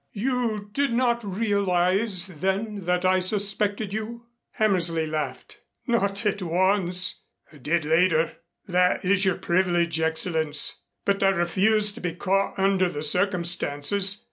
You did not realize then that I suspected you?" Hammersley laughed. "Not at once. I did later. That is your privilege, Excellenz. But I refused to be caught under the circumstances.